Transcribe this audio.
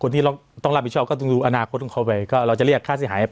ที่เราต้องรับผิดชอบก็ต้องดูอนาคตของเขาไปก็เราจะเรียกค่าเสียหาย